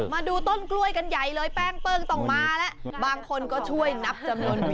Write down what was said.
มาดูต้นกล้วยกันใหญ่เลยแป้งเปิ้งต้องมาแล้วบางคนก็ช่วยนับจำนวน